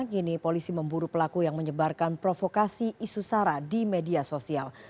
kini polisi memburu pelaku yang menyebarkan provokasi isu sara di media sosial